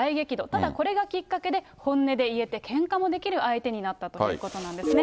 ただこれがきっかけで、本音で言えてけんかもできる相手になったということなんですね。